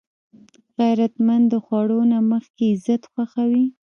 غیرتمند د خوړو نه مخکې عزت خوښوي